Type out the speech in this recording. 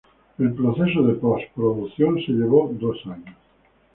El proceso de postproducción se llevó dos años.